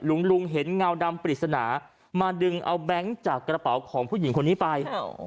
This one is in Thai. ลุงเห็นเงาดำปริศนามาดึงเอาแบงค์จากกระเป๋าของผู้หญิงคนนี้ไป